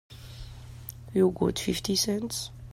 You got fifty cents?